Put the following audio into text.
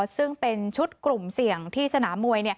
ซึ่งเป็นชุดกลุ่มเสี่ยงที่สนามมวย